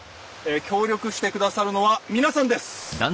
協力して下さるのは皆さんです。